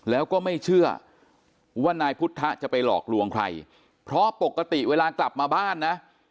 แล้วก็ไม่เชื่อว่านายพุทธจะไปหลอกลวงใครเพราะปกติเวลากลับมาบ้านนะ